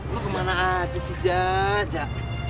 lo kemana aja sih jajak